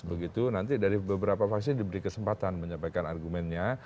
begitu nanti dari beberapa fraksi diberi kesempatan menyampaikan argumennya